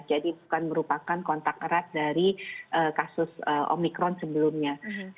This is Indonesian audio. jadi bukan merupakan kontak erat dari kasus omikron sebelumnya